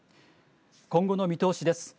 今後の見通しです。